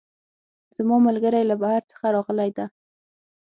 زما ملګرۍ له بهر څخه راغلی ده